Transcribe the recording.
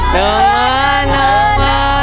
นังเบิ้น